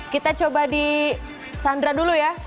kita coba di sandra dulu ya